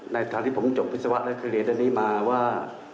ในทางที่ผมจบวิศวะและเครียดอันนี้มาว่า